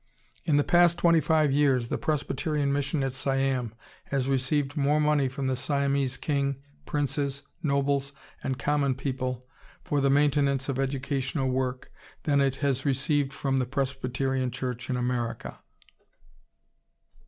In the past twenty five years the Presbyterian Mission at Siam has received more money from the Siamese king, princes, nobles, and common people for the maintenance of educational work, than it has received from the Presbyterian Church in America.